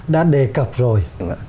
đã đề cập rồi